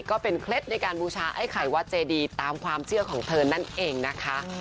เคล็ดในการบูชาไอ้ไข่วัดเจดีตามความเชื่อของเธอนั่นเองนะคะ